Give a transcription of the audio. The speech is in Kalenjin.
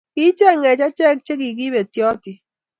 Ki-icheng'ech ache`k che kigi betyotin.